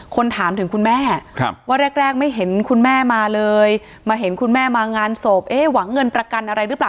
คนถามถึงคุณแม่ว่าแรกไม่เห็นคุณแม่มาเลยมาเห็นคุณแม่มางานศพเอ๊ะหวังเงินประกันอะไรหรือเปล่า